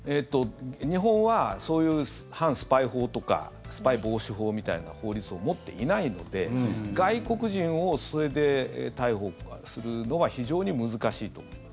日本は、そういう反スパイ法とかスパイ防止法みたいな法律を持っていないので外国人をそれで逮捕するのは非常に難しいと思います。